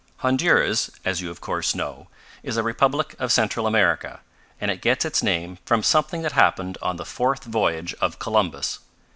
"Honduras, as you of course know, is a republic of Central America, and it gets its name from something that happened on the fourth voyage of Columbus.